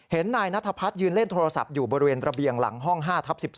นายนัทพัฒน์ยืนเล่นโทรศัพท์อยู่บริเวณระเบียงหลังห้อง๕ทับ๑๘